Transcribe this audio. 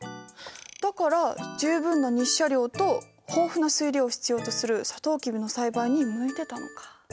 だから十分な日射量と豊富な水量を必要とするさとうきびの栽培に向いてたのか。